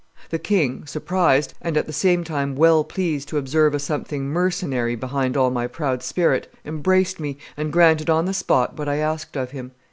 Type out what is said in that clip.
The king, surprised, and at the same time well pleased to observe a something mercenary behind all my proud spirit, embraced me, and granted on the spot what I asked of him."